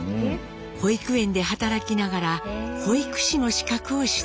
保育園で働きながら保育士の資格を取得。